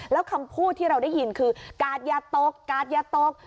แล้วคำพูดที่เราได้ยินคือกาดอย่าตกกาดอย่าตก